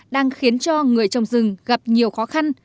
đang khiến cho người trồng rừng gặp nhiều khó khăn